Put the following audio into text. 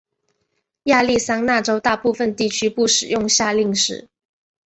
亚利桑那州大部分地区不使用夏令时。